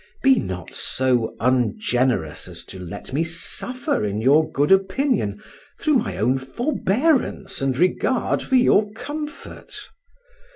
Be not so ungenerous as to let me suffer in your good opinion through my own forbearance and regard for your comfort.